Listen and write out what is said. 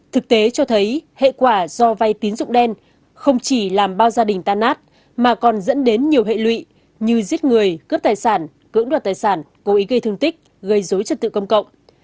thực tế cho thấy hệ quả do vay tín dụng đen không chỉ làm bao gia đình tan nát mà còn dẫn đến nhiều hệ lụy như giết người cướp tài sản cưỡng đoạt tài sản cố ý gây thương tích gây dối trật tự công cộng